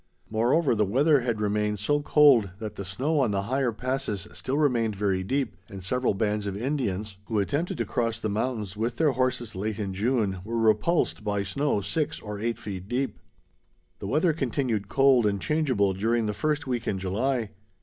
Moreover, the weather had remained so cold that the snow on the higher passes still remained very deep, and several bands of Indians, who attempted to cross the mountains with their horses late in June, were repulsed by snow six or eight feet deep. The weather continued cold and changeable during the first week in July.